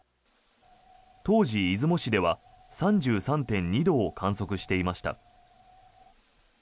当時、出雲市では３３．２度を観測していました。